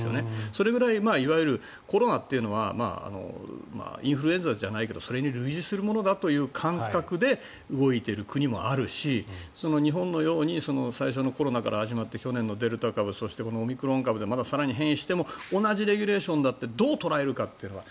それぐらいいわゆるコロナというのはインフルエンザじゃないけどそれに類似するものだっていう感覚で動いている国もあるし日本のように最初のコロナから始まって去年のデルタ株そしてこのオミクロン株でまた更に変異しても同じレギュレーションでどう捉えるかって。